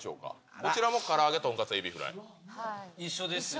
こちらもから揚げ、トンカツ、エビフライ。一緒ですね。